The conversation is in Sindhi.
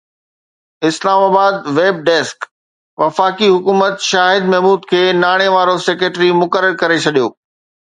اسلام آباد (ويب ڊيسڪ) وفاقي حڪومت شاهد محمود کي ناڻي وارو سيڪريٽري مقرر ڪري ڇڏيو